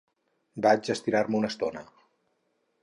Vaig a estirar-me una estona.